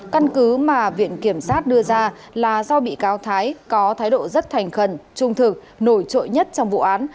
căn cứ mà viện kiểm sát đưa ra là do bị cáo thái có thái độ rất thành khẩn trung thực nổi trội nhất trong vụ án